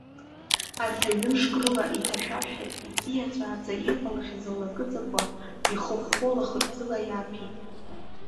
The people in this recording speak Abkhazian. Арҭ аҩымшк рыла иҭашәашәа, иҵиаҵәааӡа иҟалахьаз ллакыҵақәа ихыхәхәо лаӷырӡыла иааҭәит.